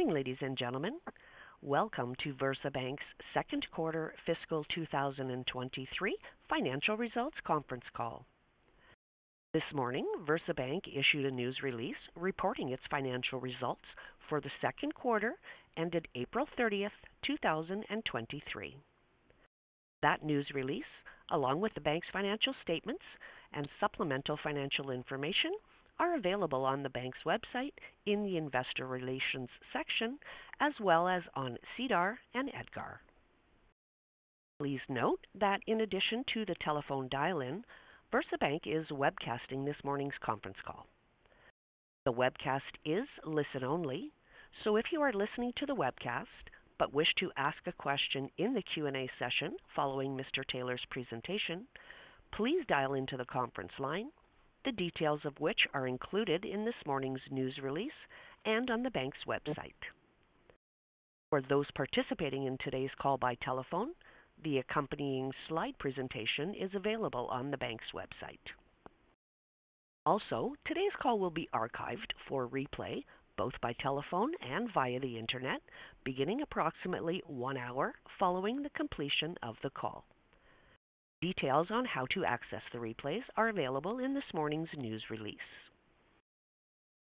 Morning, ladies and gentlemen. Welcome to VersaBank's Second Quarter Fiscal 2023 Financial Results Conference Call. This morning, VersaBank issued a news release reporting its financial results for the second quarter, ended April 30th, 2023. That news release, along with the bank's financial statements and supplemental financial information, are available on the bank's website in the Investor Relations section, as well as on SEDAR and EDGAR. Please note that in addition to the telephone dial-in, VersaBank is webcasting this morning's conference call. The webcast is listen-only, so if you are listening to the webcast, but wish to ask a question in the Q&A session following Mr. Taylor's presentation, please dial into the conference line, the details of which are included in this morning's news release and on the bank's website. For those participating in today's call by telephone, the accompanying slide presentation is available on the bank's website. Also, today's call will be archived for replay, both by telephone and via the internet, beginning approximately one hour following the completion of the call. Details on how to access the replays are available in this morning's news release.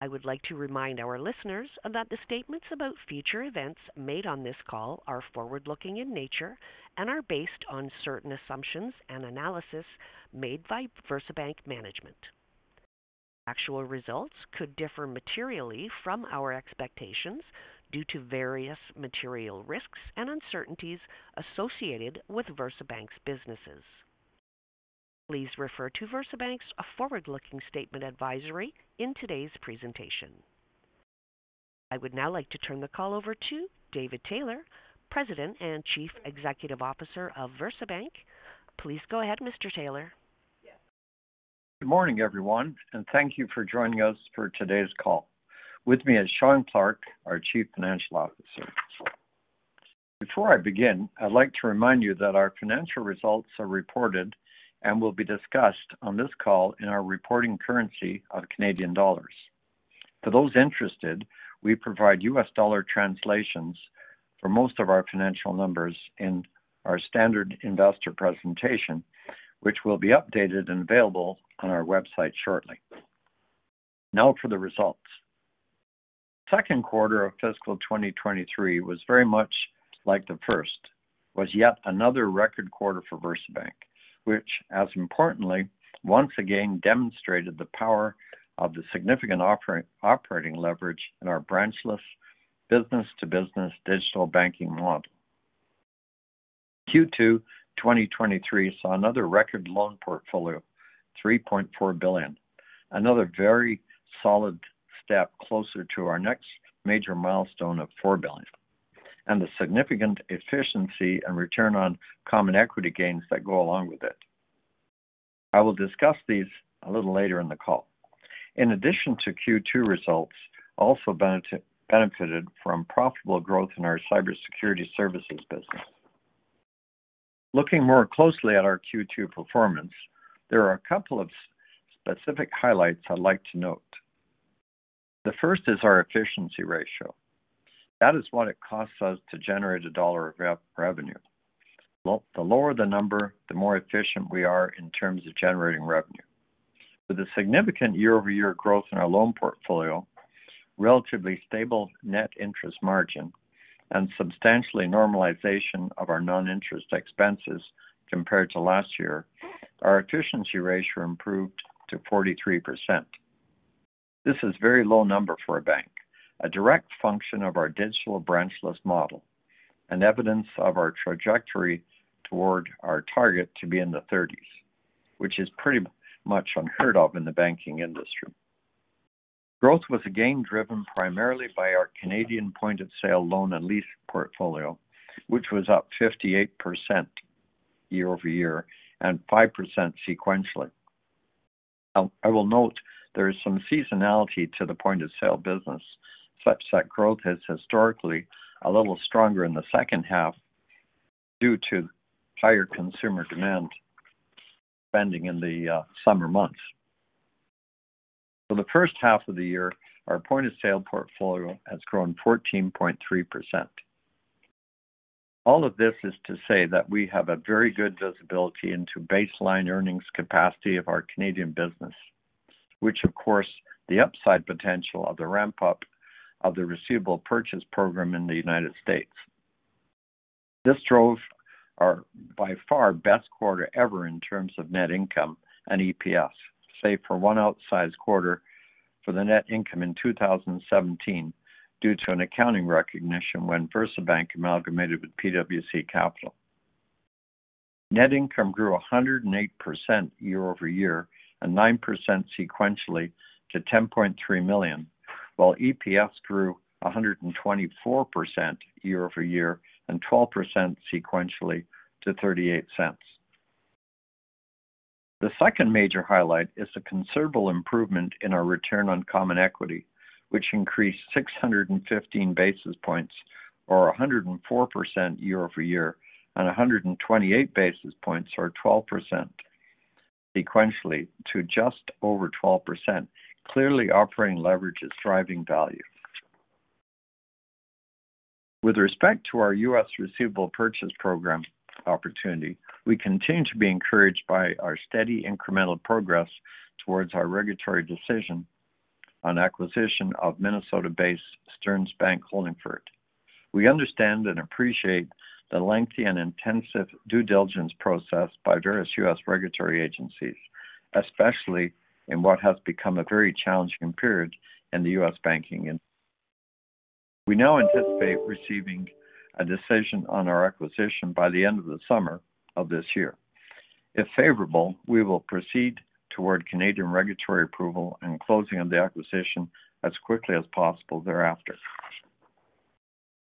I would like to remind our listeners that the statements about future events made on this call are forward-looking in nature and are based on certain assumptions and analysis made by VersaBank management. Actual results could differ materially from our expectations due to various material risks and uncertainties associated with VersaBank's businesses. Please refer to VersaBank's forward-looking statement advisory in today's presentation. I would now like to turn the call over to David Taylor, President and Chief Executive Officer of VersaBank. Please go ahead, Mr. Taylor. Good morning, everyone, thank you for joining us for today's call. With me is Shawn Clarke, our Chief Financial Officer. Before I begin, I'd like to remind you that our financial results are reported and will be discussed on this call in our reporting currency of Canadian dollars. For those interested, we provide U.S. dollar translations for most of our financial numbers in our standard investor presentation, which will be updated and available on our website shortly. Now for the results. Second quarter of fiscal 2023 was very much like the first, was yet another record quarter for VersaBank, which, as importantly, once again demonstrated the power of the significant operating leverage in our branchless business-to-business digital banking model. Q2 2023 saw another record loan portfolio, 3.4 billion. Another very solid step closer to our next major milestone of 4 billion, the significant efficiency and return on common equity gains that go along with it. I will discuss these a little later in the call. In addition to Q2 results, also benefited from profitable growth in our cybersecurity services business. Looking more closely at our Q2 performance, there are a couple of specific highlights I'd like to note. The first is our efficiency ratio. That is what it costs us to generate a dollar of revenue. Well, the lower the number, the more efficient we are in terms of generating revenue. With a significant year-over-year growth in our loan portfolio, relatively stable net interest margin, substantially normalization of our non-interest expenses compared to last year, our efficiency ratio improved to 43%. This is a very low number for a bank, a direct function of our digital branchless model, and evidence of our trajectory toward our target to be in the thirties, which is pretty much unheard of in the banking industry. Growth was again driven primarily by our Canadian point-of-sale loan and lease portfolio, which was up 58% year-over-year and 5% sequentially. I will note there is some seasonality to the point-of-sale business, such that growth is historically a little stronger in the second half due to higher consumer demand spending in the summer months. For the first half of the year, our point-of-sale portfolio has grown 14.3%. All of this is to say that we have a very good visibility into baseline earnings capacity of our Canadian business, which of course, the upside potential of the ramp-up of the Receivable Purchase Program in the United States. This drove our by far best quarter ever in terms of net income and EPS, save for one outsized quarter for the net income in 2017 due to an accounting recognition when VersaBank amalgamated with PWC Capital. Net income grew 108% year-over-year and 9% sequentially to $10.3 million, while EPS grew 124% year-over-year and 12% sequentially to $0.38. The second major highlight is the considerable improvement in our return on common equity, which increased 615 basis points or 104% year-over-year, and 128 basis points or 12% sequentially to just over 12%. Clearly, operating leverage is driving value. With respect to our U.S. Receivable Purchase Program opportunity, we continue to be encouraged by our steady incremental progress towards our regulatory decision on acquisition of Minnesota-based Stearns Bank Holdingford. We understand and appreciate the lengthy and intensive due diligence process by various U.S. regulatory agencies, especially in what has become a very challenging period in the U.S. banking. We now anticipate receiving a decision on our acquisition by the end of the summer of this year. If favorable, we will proceed toward Canadian regulatory approval and closing on the acquisition as quickly as possible thereafter.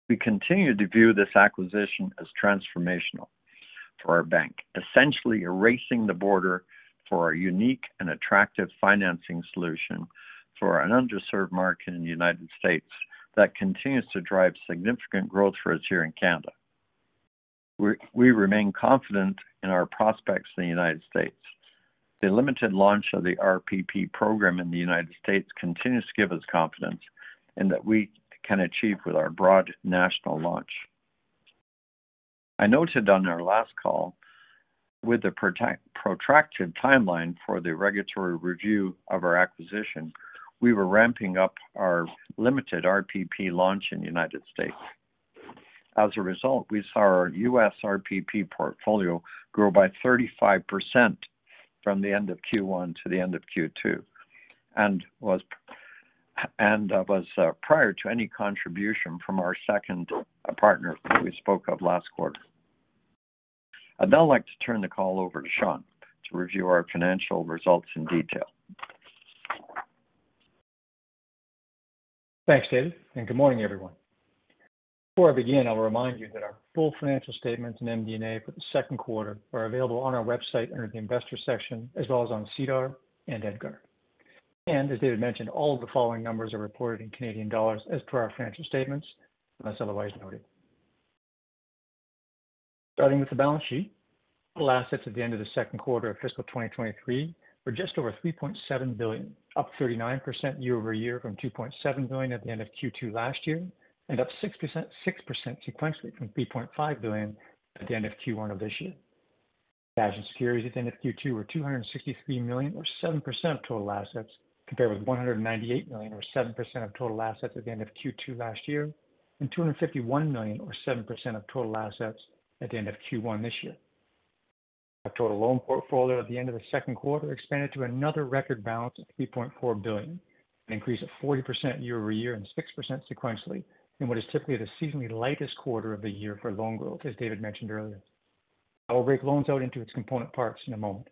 We continue to view this acquisition as transformational for our bank, essentially erasing the border for our unique and attractive financing solution for an underserved market in the United States that continues to drive significant growth for us here in Canada. We remain confident in our prospects in the United States. The limited launch of the RPP program in the United States continues to give us confidence, and that we can achieve with our broad national launch. I noted on our last call with the protracted timeline for the regulatory review of our acquisition, we were ramping up our limited RPP launch in the United States. As a result, we saw our U.S. RPP portfolio grow by 35% from the end of Q1 to the end of Q2, and that was prior to any contribution from our second partner who we spoke of last quarter. I'd now like to turn the call over to Shawn to review our financial results in detail. Thanks, David, good morning, everyone. Before I begin, I'll remind you that our full financial statements and MD&A for the second quarter are available on our website under the investor section, as well as on SEDAR and EDGAR. As David mentioned, all the following numbers are reported in Canadian dollars as per our financial statements, unless otherwise noted. Starting with the balance sheet, total assets at the end of the second quarter of fiscal 2023 were just over 3.7 billion, up 39% year-over-year from 2.7 billion at the end of Q2 last year, and up 6% sequentially from 3.5 billion at the end of Q1 of this year. Cash and securities at the end of Q2 were 263 million or 7% of total assets, compared with 198 million, or 7% of total assets at the end of Q2 last year, and 251 million or 7% of total assets at the end of Q1 this year. Our total loan portfolio at the end of the second quarter expanded to another record balance of 3.4 billion, an increase of 40% year-over-year and 6% sequentially in what is typically the seasonally lightest quarter of the year for loan growth, as David mentioned earlier. I will break loans out into its component parts in a moment.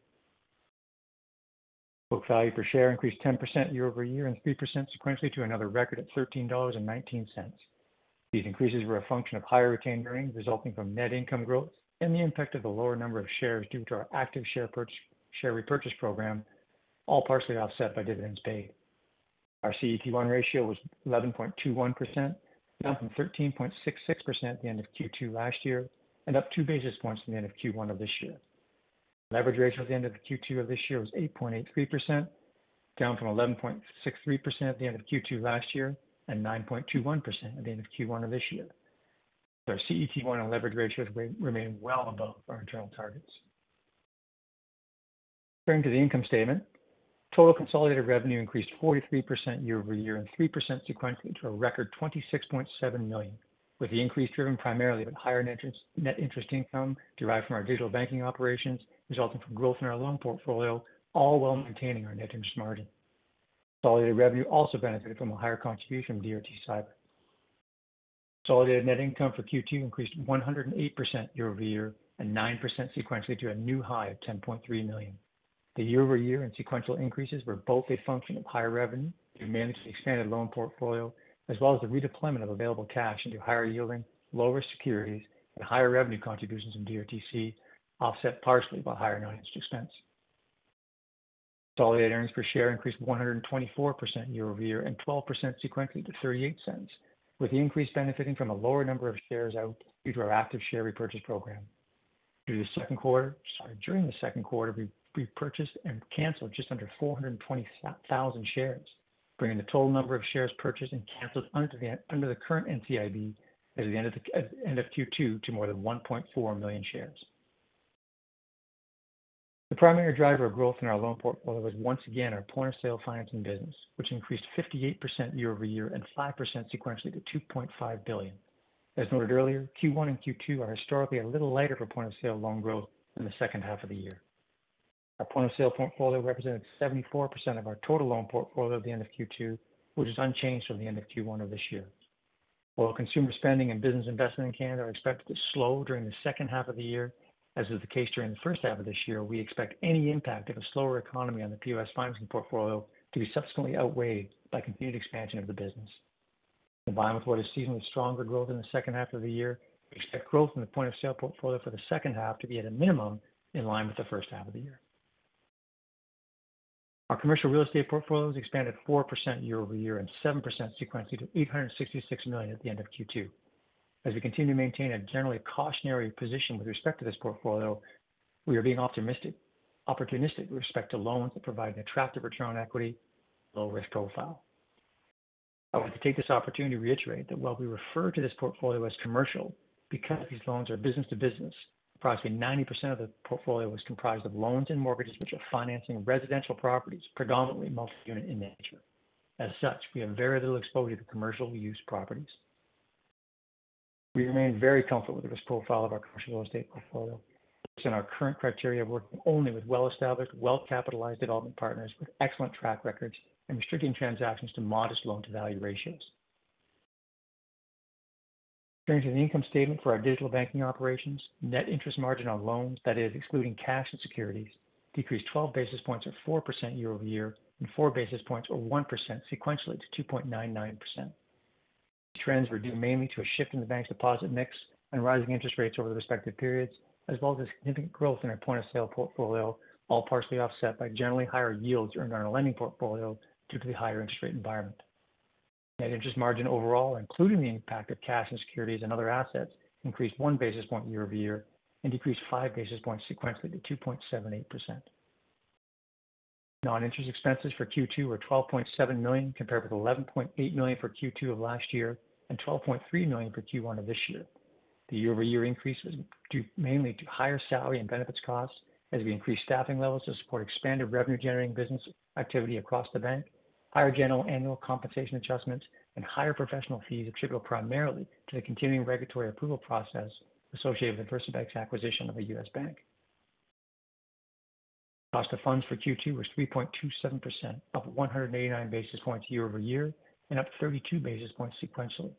Book value per share increased 10% year-over-year and 3% sequentially to another record at 13.19 dollars. These increases were a function of higher retained earnings resulting from net income growth and the impact of the lower number of shares due to our active share repurchase program, all partially offset by dividends paid. Our CET1 ratio was 11.21%, down from 13.66% at the end of Q2 last year, and up 2 basis points from the end of Q1 of this year. Leverage ratio at the end of the Q2 of this year was 8.83%, down from 11.63% at the end of Q2 last year, and 9.21% at the end of Q1 of this year. Our CET1 and leverage ratios remain well above our internal targets. Turning to the income statement. Total consolidated revenue increased 43% year-over-year and 3% sequentially to a record 26.7 million, with the increase driven primarily by higher net interest income derived from our digital banking operations, resulting from growth in our loan portfolio, all while maintaining our net interest margin. Consolidated revenue also benefited from a higher contribution from DRTC. Consolidated net income for Q2 increased 108% year-over-year and 9% sequentially to a new high of 10.3 million. The year-over-year and sequential increases were both a function of higher revenue due to managed expanded loan portfolio, as well as the redeployment of available cash into higher yielding, lower securities and higher revenue contributions in DRTC, offset partially by higher non-interest expense. Consolidated earnings per share increased 124% year-over-year and 12% sequentially to 0.38, with the increase benefiting from a lower number of shares out due to our active share repurchase program. During the second quarter, we repurchased and canceled just under 420,000 shares, bringing the total number of shares purchased and canceled under the current NCIB as of the end of Q2 to more than 1.4 million shares. The primary driver of growth in our loan portfolio was once again our point-of-sale financing business, which increased 58% year-over-year and 5% sequentially to 2.5 billion. As noted earlier, Q1 and Q2 are historically a little lighter for point-of-sale loan growth in the second half of the year. Our point-of-sale portfolio represented 74% of our total loan portfolio at the end of Q2, which is unchanged from the end of Q1 of this year. While consumer spending and business investment in Canada are expected to slow during the second half of the year, as was the case during the first half of this year, we expect any impact of a slower economy on the POS financing portfolio to be subsequently outweighed by continued expansion of the business. In line with what is seasonally stronger growth in the second half of the year, we expect growth in the point-of-sale portfolio for the second half to be at a minimum, in line with the first half of the year. Our commercial real estate portfolio has expanded 4% year-over-year and 7% sequentially to 866 million at the end of Q2. As we continue to maintain a generally cautionary position with respect to this portfolio, we are being optimistic, opportunistic with respect to loans that provide an attractive return on equity, low risk profile. I want to take this opportunity to reiterate that while we refer to this portfolio as commercial, because these loans are business to business, approximately 90% of the portfolio is comprised of loans and mortgages, which are financing residential properties, predominantly multi-unit in nature. As such, we have very little exposure to commercial use properties. We remain very comfortable with the risk profile of our commercial real estate portfolio. In our current criteria, working only with well-established, well-capitalized development partners with excellent track records and restricting transactions to modest loan to value ratios. Turning to the income statement for our digital banking operations. Net interest margin on loans, that is excluding cash and securities, decreased 12 basis points or 4% year-over-year and 4 basis points or 1% sequentially to 2.99%. Trends were due mainly to a shift in the bank's deposit mix and rising interest rates over the respective periods, as well as a significant growth in our point-of-sale portfolio, all partially offset by generally higher yields earned on our lending portfolio due to the higher interest rate environment. Net interest margin overall, including the impact of cash and securities and other assets, increased 1 basis point year-over-year and decreased 5 basis points sequentially to 2.78%. Non-interest expenses for Q2 were 12.7 million compared with 11.8 million for Q2 of last year and 12.3 million for Q1 of this year. The year-over-year increase was due mainly to higher salary and benefits costs as we increased staffing levels to support expanded revenue generating business activity across the bank. Higher general annual compensation adjustments and higher professional fees attributable primarily to the continuing regulatory approval process associated with VersaBank's acquisition of a U.S. bank. Cost of funds for Q2 was 3.27%, up 189 basis points year-over-year and up 32 basis points sequentially,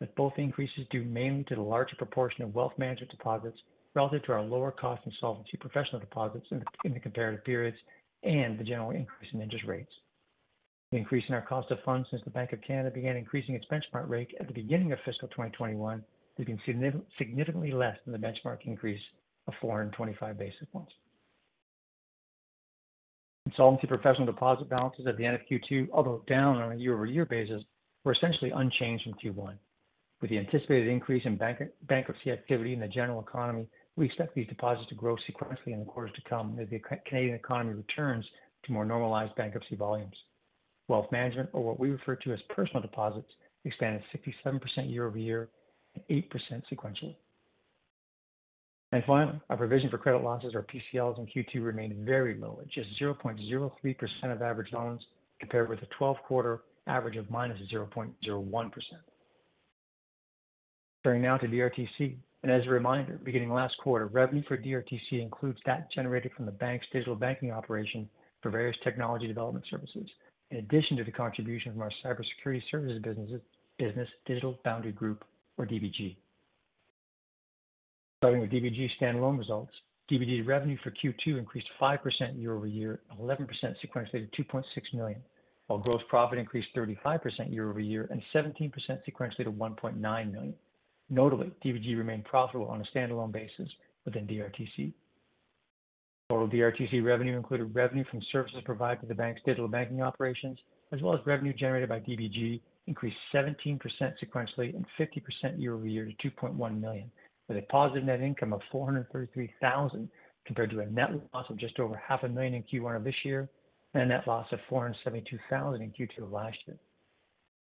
with both increases due mainly to the larger proportion of wealth management deposits relative to our lower cost insolvency professional deposits in the comparative periods and the general increase in interest rates. The increase in our cost of funds since the Bank of Canada began increasing its benchmark rate at the beginning of fiscal 2021 has been significantly less than the benchmark increase of 425 basis points. Insolvency professional deposit balances at the end of Q2, although down on a year-over-year basis, were essentially unchanged in Q1. With the anticipated increase in bank-bankruptcy activity in the general economy, we expect these deposits to grow sequentially in the quarters to come as the Canadian economy returns to more normalized bankruptcy volumes. Wealth management, or what we refer to as personal deposits, expanded 67% year-over-year and 8% sequentially. Finally, our provision for credit losses or PCLs in Q2 remained very low at just 0.03% of average loans, compared with a 12-quarter average of -0.01%. Turning now to DRTC. As a reminder, beginning last quarter, revenue for DRTC includes that generated from the bank's digital banking operation for various technology development services. In addition to the contribution from our cybersecurity services businesses, Digital Boundary Group or DBG. Starting with DBG standalone results. DBG revenue for Q2 increased 5% year-over-year and 11% sequentially to 2.6 million, while gross profit increased 35% year-over-year and 17% sequentially to 1.9 million. Notably, DBG remained profitable on a standalone basis within DRTC. Total DRTC revenue included revenue from services provided to the bank's digital banking operations as well as revenue generated by DBG, increased 17% sequentially and 50% year-over-year to 2.1 million, with a positive net income of 433,000, compared to a net loss of just over half a million in Q1 of this year and a net loss of 472,000 in Q2 of last year.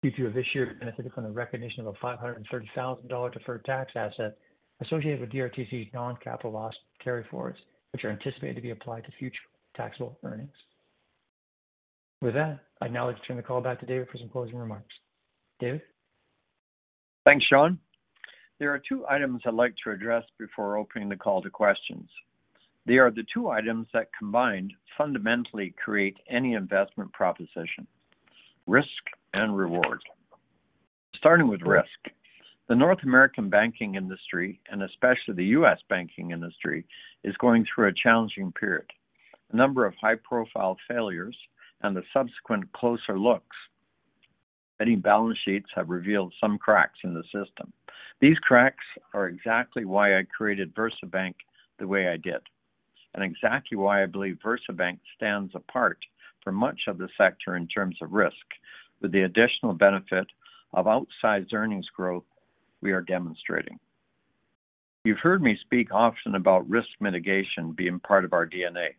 Q2 of this year benefited from the recognition of a 530,000 dollar deferred tax asset associated with DRTC's non-capital loss carry-forwards, which are anticipated to be applied to future taxable earnings. I'd now like to turn the call back to David for some closing remarks. David? Thanks, Shawn. There are two items I'd like to address before opening the call to questions. They are the two items that combined fundamentally create any investment proposition, risk and reward. Starting with risk, the North American banking industry, and especially the U.S. banking industry, is going through a challenging period. A number of high-profile failures and the subsequent closer looks. Many balance sheets have revealed some cracks in the system. These cracks are exactly why I created VersaBank the way I did, and exactly why I believe VersaBank stands apart from much of the sector in terms of risk, with the additional benefit of outsized earnings growth we are demonstrating. You've heard me speak often about risk mitigation being part of our DNA,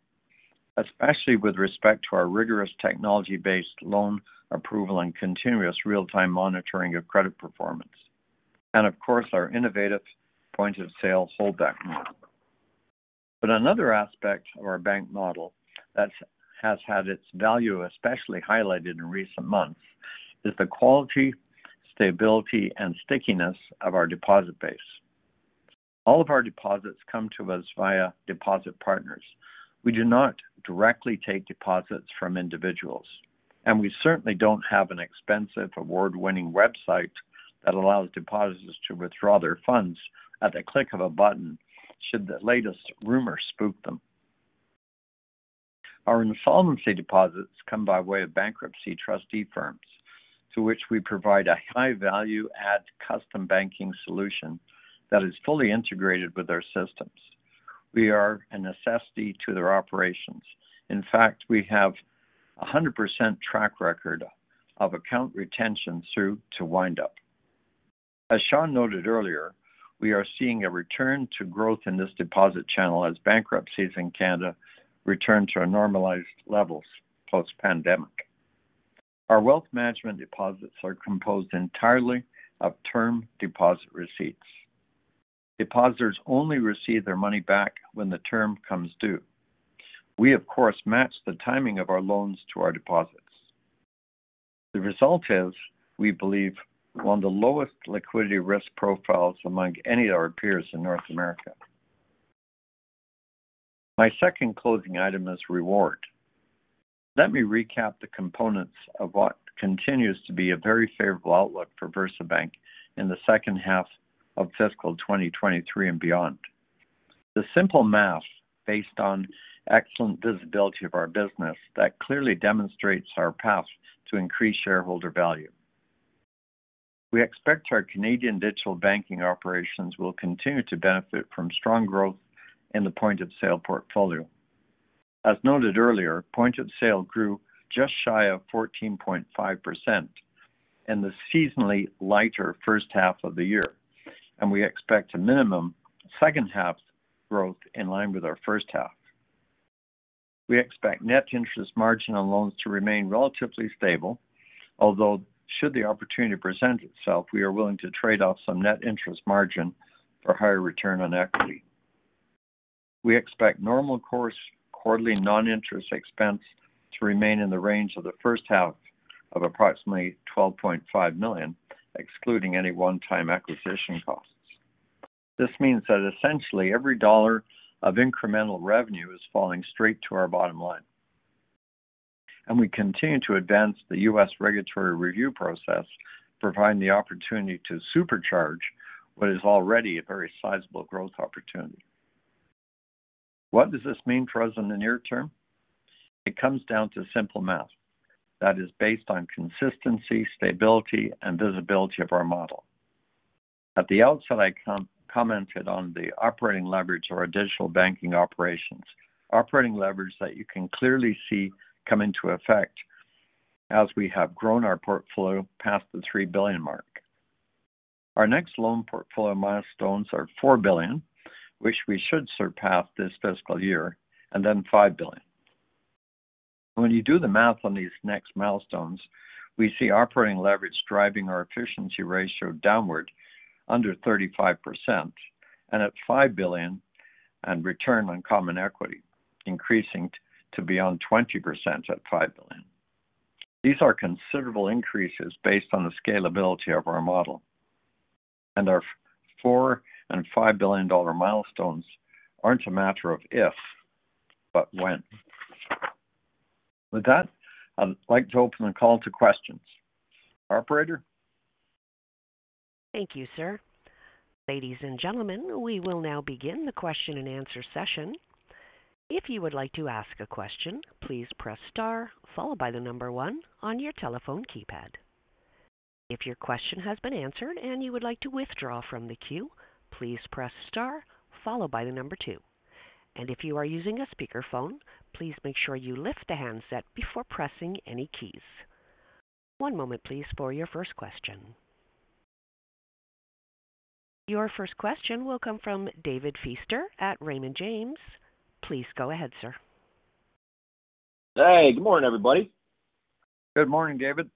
especially with respect to our rigorous technology-based loan approval and continuous real-time monitoring of credit performance, and of course, our innovative point-of-sale holdback model. Another aspect of our bank model that has had its value, especially highlighted in recent months, is the quality, stability, and stickiness of our deposit base. All of our deposits come to us via deposit partners. We do not directly take deposits from individuals, and we certainly don't have an expensive, award-winning website that allows depositors to withdraw their funds at the click of a button should the latest rumor spook them. Our insolvency deposits come by way of bankruptcy trustee firms. to which we provide a high value add custom banking solution that is fully integrated with our systems. We are a necessity to their operations. In fact, we have 100% track record of account retention through to wind up. As Shawn noted earlier, we are seeing a return to growth in this deposit channel as bankruptcies in Canada return to our normalized levels post-pandemic. Our wealth management deposits are composed entirely of term deposit receipts. Depositors only receive their money back when the term comes due. We, of course, match the timing of our loans to our deposits. Result is, we believe, one of the lowest liquidity risk profiles among any of our peers in North America. My second closing item is reward. Let me recap the components of what continues to be a very favorable outlook for VersaBank in the second half of fiscal 2023 and beyond. Simple math based on excellent visibility of our business that clearly demonstrates our path to increase shareholder value. We expect our Canadian digital banking operations will continue to benefit from strong growth in the point-of-sale portfolio. As noted earlier, point-of-sale grew just shy of 14.5% in the seasonally lighter first half of the year, and we expect a minimum second half growth in line with our first half. We expect net interest margin on loans to remain relatively stable, although should the opportunity present itself, we are willing to trade off some net interest margin for higher return on equity. We expect normal course quarterly non-interest expense to remain in the range of the first half of approximately 12.5 million, excluding any one-time acquisition costs. This means that essentially every dollar of incremental revenue is falling straight to our bottom line. We continue to advance the U.S. regulatory review process, providing the opportunity to supercharge what is already a very sizable growth opportunity. What does this mean for us in the near term? It comes down to simple math that is based on consistency, stability, and visibility of our model. At the outset, I commented on the operating leverage or additional banking operations. Operating leverage that you can clearly see come into effect as we have grown our portfolio past the 3 billion mark. Our next loan portfolio milestones are 4 billion, which we should surpass this fiscal year, and then 5 billion. When you do the math on these next milestones, we see operating leverage driving our efficiency ratio downward under 35% and at 5 billion, and return on common equity, increasing to beyond 20% at 5 billion. These are considerable increases based on the scalability of our model, and our 4 billion and 5 billion dollar milestones aren't a matter of if, but when. With that, I'd like to open the call to questions. Operator? Thank you, sir. Ladies and gentlemen, we will now begin the Q&A session. If you would like to ask a question, please press star followed by one on your telephone keypad. If your question has been answered and you would like to withdraw from the queue, please press star followed by two. If you are using a speakerphone, please make sure you lift the handset before pressing any keys. One moment, please, for your first question. Your first question will come from David Feaster at Raymond James. Please go ahead, sir. Hey, good morning, everybody. Good morning, David.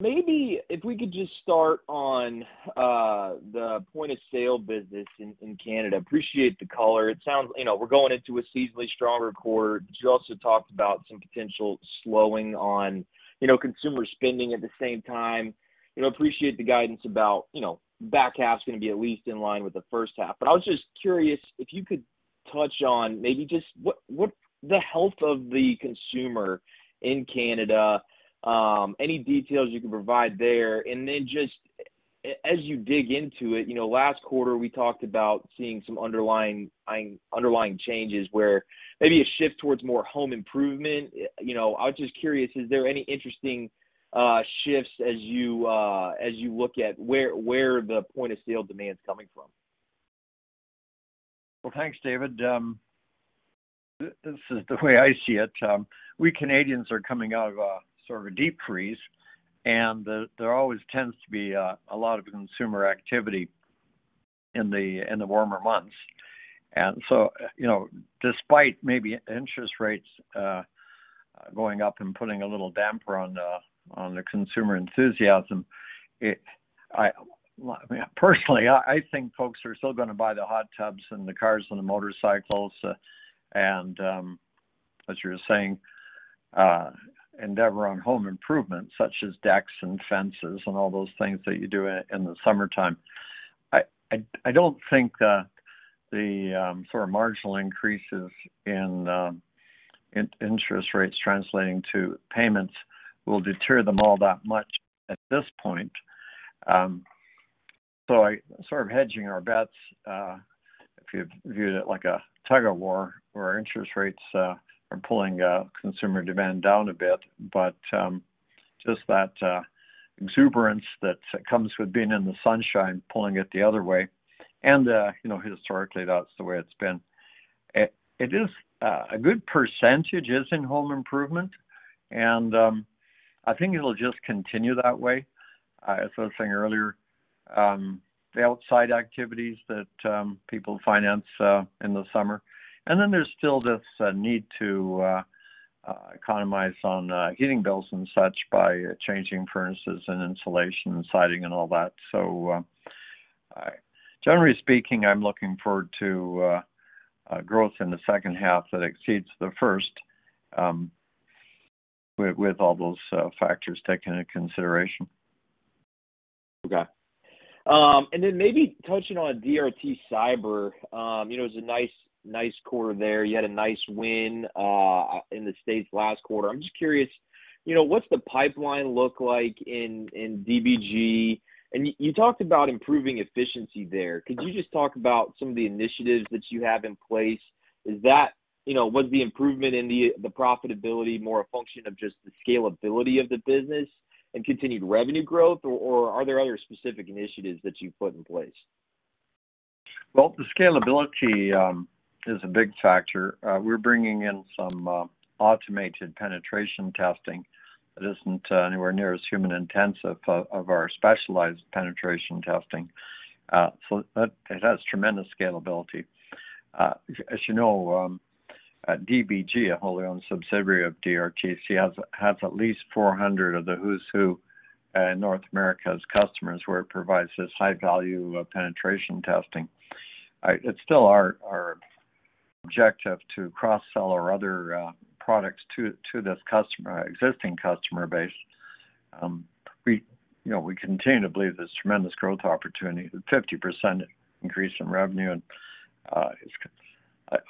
Maybe if we could just start on the point-of-sale business in Canada. Appreciate the color. It sounds, you know, we're going into a seasonally stronger quarter. You also talked about some potential slowing on, you know, consumer spending at the same time. You know, appreciate the guidance about, you know, back half's gonna be at least in line with the first half. I was just curious if you could touch on maybe just what the health of the consumer in Canada, any details you can provide there? Just as you dig into it, you know, last quarter, we talked about seeing some underlying changes where maybe a shift towards more home improvement. You know, I was just curious, is there any interesting shifts as you look at where the point of sale demand is coming from? Well, thanks, David. This is the way I see it. We Canadians are coming out of a sort of a deep freeze, and there always tends to be a lot of consumer activity in the warmer months. You know, despite maybe interest rates going up and putting a little damper on the consumer enthusiasm, I, personally, I think folks are still going to buy the hot tubs and the cars and the motorcycles and, as you were saying, endeavor on home improvements such as decks and fences and all those things that you do in the summertime. I don't think that the sort of marginal increases in interest rates translating to payments will deter them all that much at this point. I sort of hedging our bets, if you viewed it like a tug-of-war, where our interest rates are pulling consumer demand down a bit, but just that exuberance that comes with being in the sunshine, pulling it the other way. You know, historically, that's the way it's been. It, it is a good percentage is in home improvement, and I think it'll just continue that way. As I was saying earlier, the outside activities that people finance in the summer, and then there's still this need to economize on heating bills and such by changing furnaces and insulation and siding and all that. Generally speaking, I'm looking forward to a growth in the second half that exceeds the first, with all those factors taken into consideration. Okay. Maybe touching on DRT Cyber, you know, it was a nice quarter there. You had a nice win in the States last quarter. I'm just curious, you know, what's the pipeline look like in DBG? You talked about improving efficiency there. Could you just talk about some of the initiatives that you have in place? Is that, you know, was the improvement in the profitability more a function of just the scalability of the business and continued revenue growth, or are there other specific initiatives that you've put in place? Well, the scalability is a big factor. We're bringing in some automated penetration testing that isn't anywhere near as human intensive of our specialized penetration testing. That it has tremendous scalability. As you know, at DBG, a wholly owned subsidiary of DRTC, has at least 400 of the who's who, North America's customers, where it provides this high value of penetration testing. It's still our objective to cross-sell our other products to this customer, existing customer base. We, you know, we continue to believe there's tremendous growth opportunity, the 50% increase in revenue, it's,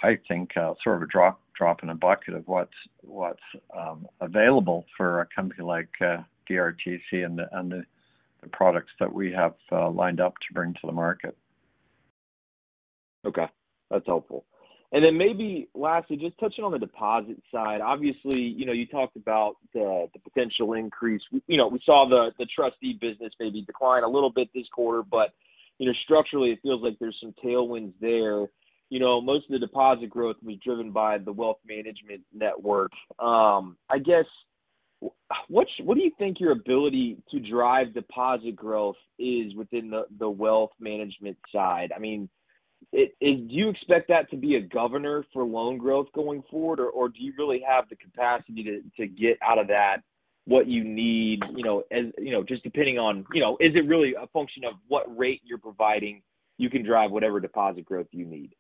I think, sort of a drop in a bucket of what's available for a company like DRTC and the products that we have, lined up to bring to the market. Okay, that's helpful. Then maybe lastly, just touching on the deposit side. Obviously, you know, you talked about the potential increase. You know, we saw the trustee business maybe decline a little bit this quarter, but you know, structurally, it feels like there's some tailwinds there. You know, most of the deposit growth will be driven by the wealth management network. I guess, what do you think your ability to drive deposit growth is within the wealth management side? I mean, do you expect that to be a governor for loan growth going forward, or do you really have the capacity to get out of that what you need? You know, as, you know, just depending on, you know, is it really a function of what rate you're providing, you can drive whatever deposit growth you need?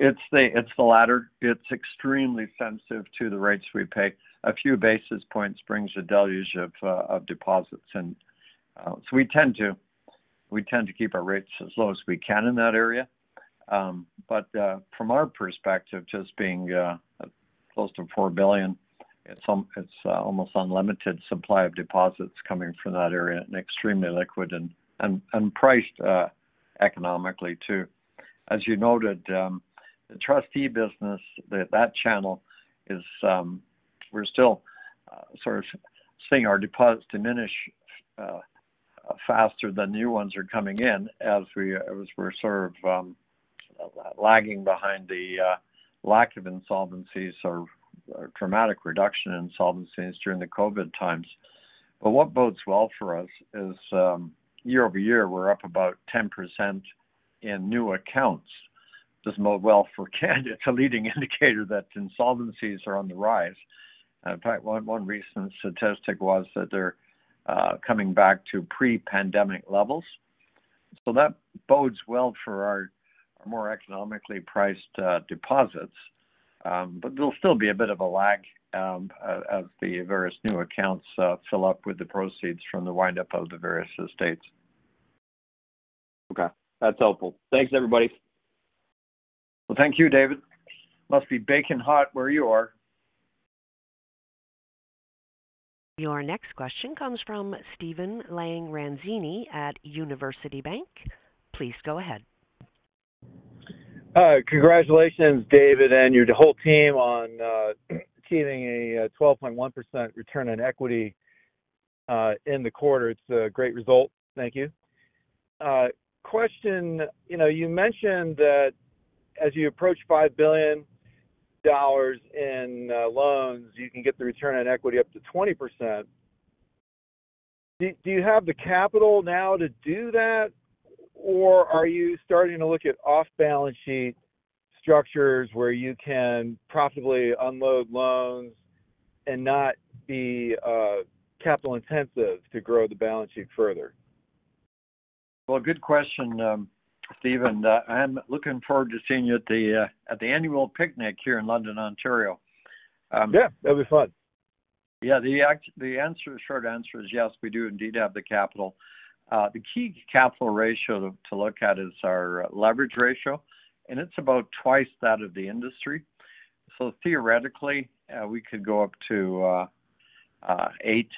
It's the latter. It's extremely sensitive to the rates we pay. A few basis points brings a deluge of deposits. We tend to keep our rates as low as we can in that area. From our perspective, just being close to 4 billion, it's almost unlimited supply of deposits coming from that area and extremely liquid and priced economically, too. As you noted, the trustee business, that channel is, we're still sort of seeing our deposits diminish faster than new ones are coming in as we're sort of lagging behind the lack of insolvencies or dramatic reduction in insolvencies during the COVID times. What bodes well for us is, year-over-year, we're up about 10% in new accounts. Doesn't bode well for Canada, it's a leading indicator that insolvencies are on the rise. In fact, one recent statistic was that they're coming back to pre-pandemic levels. That bodes well for our more economically priced deposits. There'll still be a bit of a lag as the various new accounts fill up with the proceeds from the wind up of the various estates. Okay, that's helpful. Thanks, everybody. Thank you, David. Must be baking hot where you are. Your next question comes from Stephen Lange Ranzini at University Bank. Please go ahead. Hi. Congratulations, David, and your whole team on achieving a 12.1% return on equity in the quarter. It's a great result. Thank you. Question. You know, you mentioned that as you approach 5 billion dollars in loans, you can get the return on equity up to 20%. Do you have the capital now to do that? Or are you starting to look at off-balance sheet structures where you can profitably unload loans and not be capital intensive to grow the balance sheet further? Good question, Stephen, I'm looking forward to seeing you at the annual picnic here in London, Ontario. Yeah, that'll be fun. Yeah, the answer, short answer is yes, we do indeed have the capital. The key capital ratio to look at is our leverage ratio, it's about twice that of the industry. Theoretically, we could go up to 8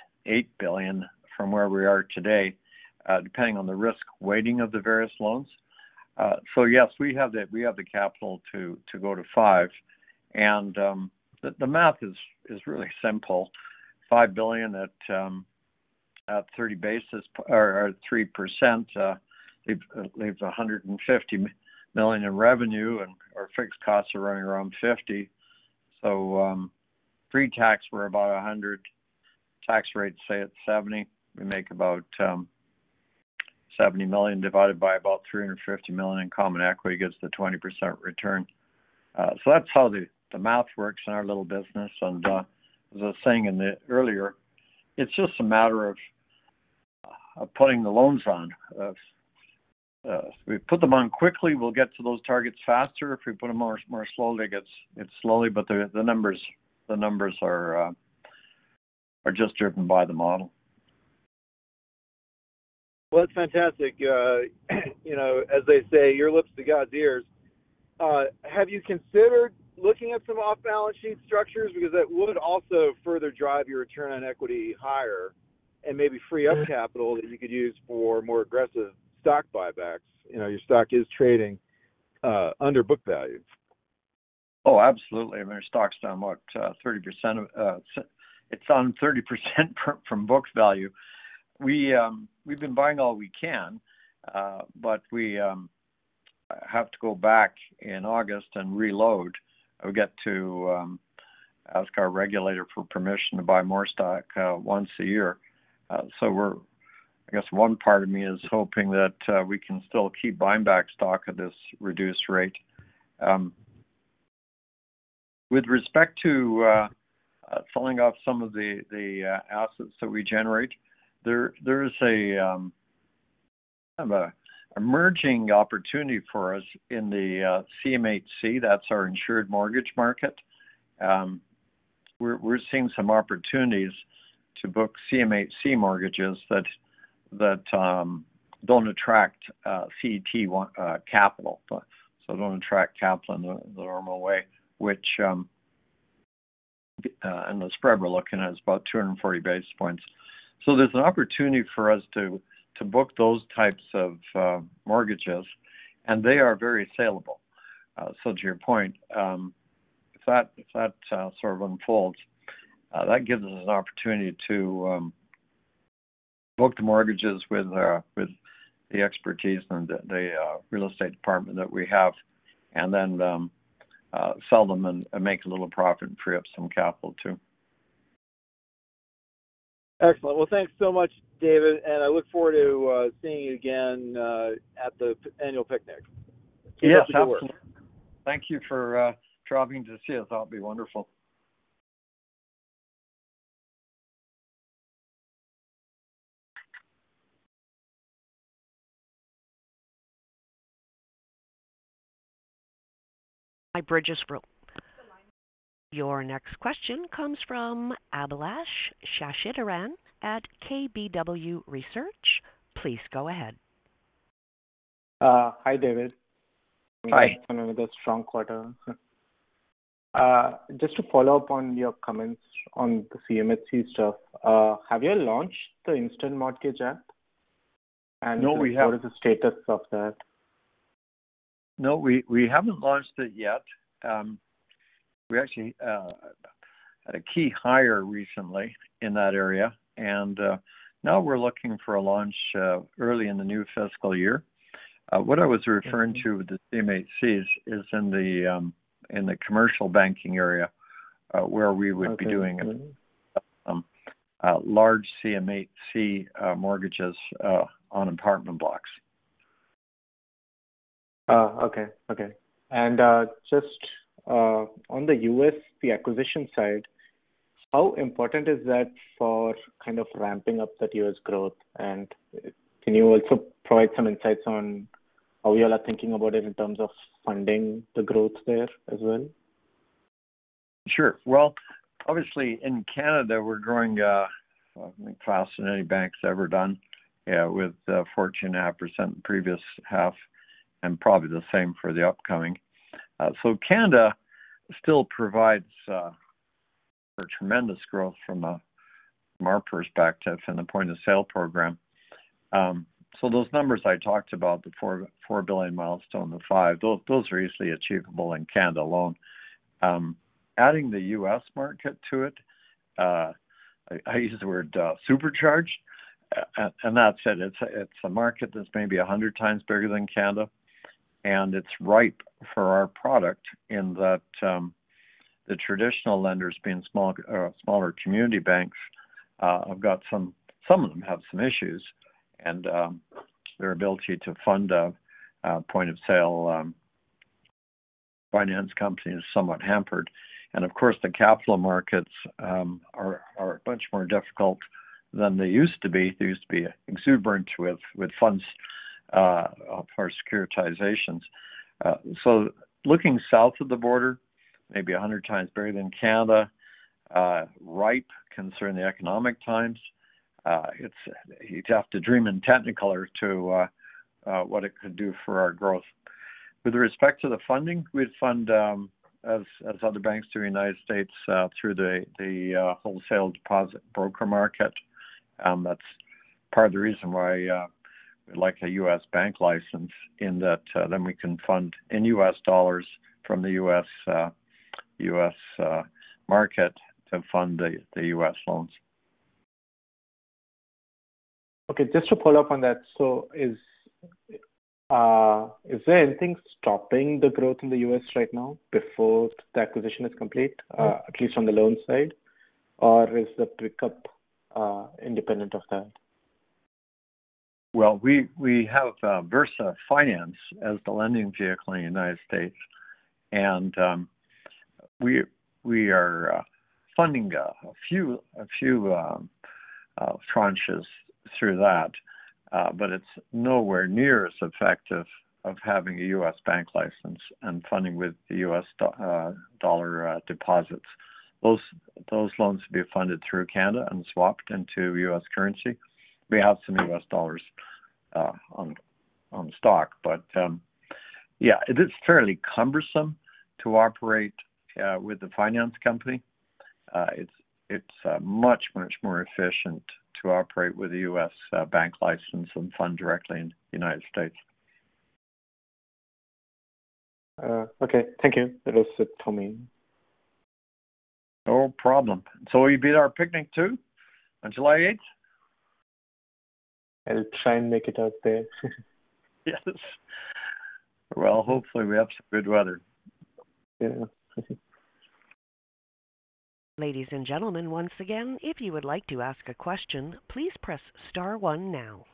billion from where we are today, depending on the risk weighting of the various loans. Yes, we have the capital to go to 5. The math is really simple. 5 billion at 30 basis points or 3% leaves 150 million in revenue, our fixed costs are running around 50 million. Pre-tax, we're about 100 million. Tax rate, say, it's 70%, we make about 70 million divided by about 350 million in common equity gives the 20% return. That's how the math works in our little business. As I was saying in the earlier, it's just a matter of putting the loans on. If we put them on quickly, we'll get to those targets faster. If we put them more slowly, it gets it slowly, but the numbers are just driven by the model. Well, that's fantastic. You know, as they say, your lips to God's ears. Have you considered looking at some off-balance sheet structures? Because that would also further drive your return on equity higher and maybe free up capital that you could use for more aggressive stock buybacks. You know, your stock is trading under book value. Absolutely. I mean, our stock's down, what, 30%. It's on 30% from book value. We've been buying all we can, we have to go back in August and reload. We get to ask our regulator for permission to buy more stock once a year. I guess one part of me is hoping that we can still keep buying back stock at this reduced rate. With respect to selling off some of the assets that we generate, there is a kind of a emerging opportunity for us in the CMHC, that's our insured mortgage market. We're seeing some opportunities to book CMHC mortgages that don't attract CET1 capital, don't attract capital in the normal way, and the spread we're looking at is about 240 basis points. There's an opportunity for us to book those types of mortgages, and they are very saleable. To your point, if that sort of unfolds, that gives us an opportunity to book the mortgages with the expertise and the real estate department that we have and then sell them and make a little profit and free up some capital too. Excellent. Well, thanks so much, David. I look forward to seeing you again at the annual picnic. Yes, absolutely. Thank you for dropping to see us. That'll be wonderful. My bridges rule. Your next question comes from Abhilash Shashidharan at KBW Research. Please go ahead. Hi, David. Hi. Another strong quarter. Just to follow up on your comments on the CMHC stuff, have you launched the Instant Mortgage app? No, we haven't. What is the status of that? No, we haven't launched it yet. We actually had a key hire recently in that area, and now we're looking for a launch early in the new fiscal year. What I was referring to with the CMHCs is in the commercial banking area, where we would. Okay. be doing, large CMHC, mortgages, on apartment blocks. Okay. Okay. Just on the US, the acquisition side, how important is that for kind of ramping up that US growth? Can you also provide some insights on how you all are thinking about it in terms of funding the growth there as well? Sure. Well, obviously in Canada, we're growing faster than any bank's ever done, with a fortune half percent previous half, probably the same for the upcoming. Canada still provides a tremendous growth from our perspective and the point-of-sale program. Those numbers I talked about, the 4 billion milestone, the 5, those are easily achievable in Canada alone. Adding the U.S. market to it, I use the word supercharged, that's it. It's a market that's maybe 100 times bigger than Canada, and it's ripe for our product in that, the traditional lenders, being small, smaller community banks, have got some of them have some issues, and their ability to fund a point-of-sale finance company is somewhat hampered. Of course, the capital markets are much more difficult than they used to be. They used to be exuberant with funds for securitizations. Looking south of the border, maybe 100 times bigger than Canada, ripe concerning the economic times, you'd have to dream in technical color to what it could do for our growth. With respect to the funding, we'd fund as other banks do in United States through the wholesale deposit broker market. That's part of the reason why we'd like a U.S. bank license in that we can fund in U.S. dollars from the U.S. market to fund the U.S. loans. Okay, just to follow up on that. Is there anything stopping the growth in the U.S. right now before the acquisition is complete, at least from the loan side? Is the pick up independent of that? Well, we have Versa Finance as the lending vehicle in the United States, and we are funding a few tranches through that, but it's nowhere near as effective of having a U.S. bank license and funding with the U.S. dollar deposits. Those loans will be funded through Canada and swapped into U.S. currency. We have some U.S. dollars on stock, but yeah, it is fairly cumbersome to operate with the finance company. It's much more efficient to operate with a U.S. bank license and fund directly in the United States. Okay, thank you. That was it from me. No problem. Will you be at our picnic too, on July eighth? I'll try and make it out there. Yes. Well, hopefully, we have some good weather. Yeah. Ladies and gentlemen, once again, if you would like to ask a question, please press Star One now.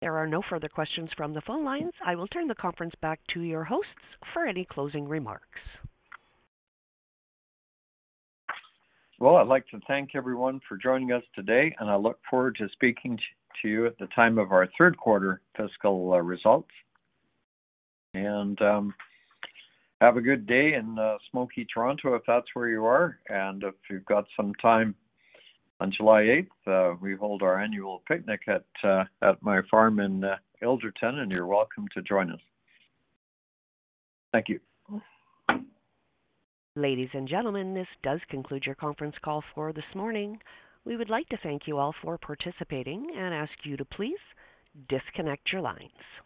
There are no further questions from the phone lines. I will turn the conference back to your hosts for any closing remarks. Well, I'd like to thank everyone for joining us today, and I look forward to speaking to you at the time of our third quarter fiscal results. Have a good day in smoky Toronto, if that's where you are, and if you've got some time on July 8th, we hold our annual picnic at my farm in Ilderton, and you're welcome to join us. Thank you. Ladies and gentlemen, this does conclude your conference call for this morning. We would like to thank you all for participating and ask you to please disconnect your lines.